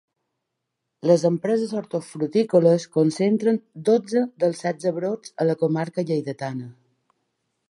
Les empreses hortofructícoles concentren dotze dels setze brots a la comarca lleidatana.